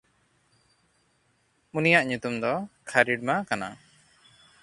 ᱩᱱᱤᱭᱟᱜ ᱧᱩᱛᱩᱢ ᱫᱚ ᱠᱷᱟᱨᱤᱲᱢᱟ ᱠᱟᱱᱟ᱾